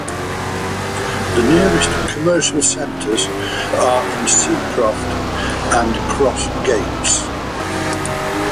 The nearest commercial centres are in Seacroft and Cross Gates.